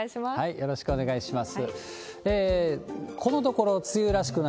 よろしくお願いします。